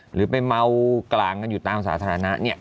หรือไปเมากรางกันอยู่ตามสาธารณะ